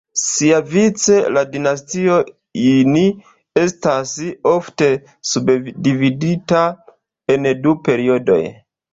Siavice, la Dinastio Jin estas ofte subdividita en du periodoj.